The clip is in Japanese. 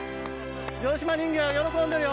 城島人形が喜んでるよ。